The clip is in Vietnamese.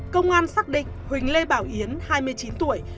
công an xác định huỳnh lê bảo yến hai mươi chín tuổi